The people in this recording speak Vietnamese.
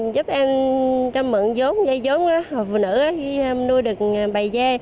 giúp em mượn vốn dây vốn hộp phụ nữ nuôi được bày dê